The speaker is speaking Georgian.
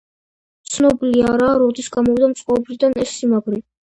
ცნობილი არაა, როდის გამოვიდა მწყობრიდან ეს სიმაგრე.